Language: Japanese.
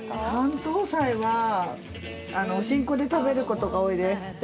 山東菜はお新香で食べることが多いです。